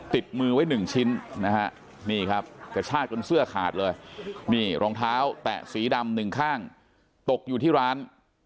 ติดมือไว้หนึ่งชิ้นนะฮะนี่ครับกระชากจนเสื้อขาดเลยนี่รองเท้าแตะสีดำหนึ่งข้างตกอยู่ที่ร้าน